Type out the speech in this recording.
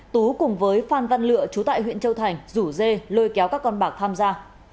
tú cùng với phan văn lựa chú tại huyện châu thành rủ dê lôi kéo các con bạc tham gia